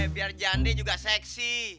biar jandi juga seksi